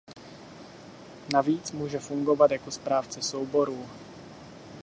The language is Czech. Navíc může fungovat jako správce souborů.